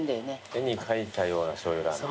絵に描いたようなしょうゆラーメン。